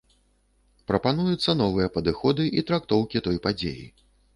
Прапануюцца новыя падыходы і трактоўкі той падзеі.